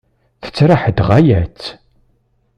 Tettraḥ-d ɣaya-tt!